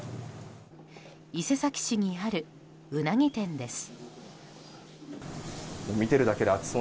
伊勢崎市にあるウナギ店です。